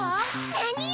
なによ！